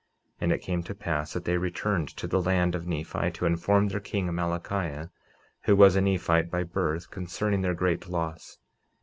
And it came to pass that they returned to the land of Nephi, to inform their king, Amalickiah, who was a Nephite by birth, concerning their great loss.